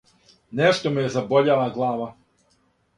Нешто ме је забољела глава,